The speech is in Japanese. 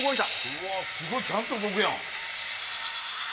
うわすごいちゃんと動くやん。